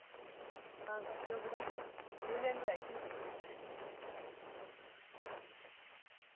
案外丈夫だから１０年ぐらい生きるかもしれないわ。